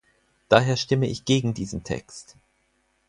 Daher stimme ich gegen diesen Text.